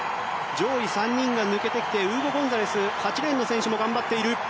上位３人が抜けてきてウーゴ・ゴンサレスの選手も頑張っている。